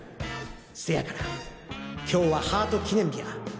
せやから今日はハート記念日や！